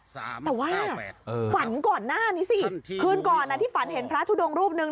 แต่ว่าฝันก่อนหน้านี้สิคืนก่อนอ่ะที่ฝันเห็นพระทุดงรูปนึง